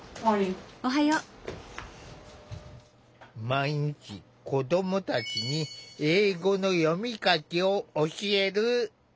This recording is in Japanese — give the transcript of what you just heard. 毎日子どもたちに英語の読み書きを教える。